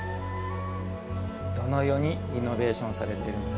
どのようにリノベーションされているのか。